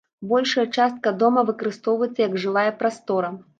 Большая частка дома выкарыстоўваецца як жылая прастора.